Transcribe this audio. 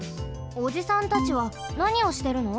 おじさんたちはなにをしてるの？